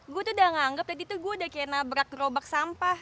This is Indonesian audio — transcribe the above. gue tuh udah nganggep tadi tuh gue udah kayak nabrak gerobak sampah